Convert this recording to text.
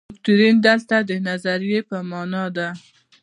دوکتورین دلته د نظریې په معنا دی.